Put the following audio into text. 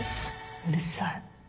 うるさい。